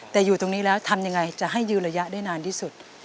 แต่อยู่ตรงนี้แล้วทำยังไงจะให้ยืนระยะได้นานที่สุด